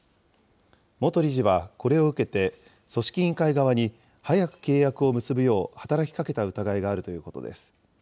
元理事はこれを受けて、組織委員会側に早く契約を結ぶよう働きかけた疑いがあるということです。